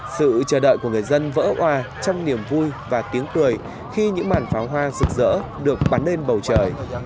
sự chờ đợi của người dân vỡ hòa trong niềm vui và tiếng cười khi những màn pháo hoa rực rỡ được bắn lên bầu trời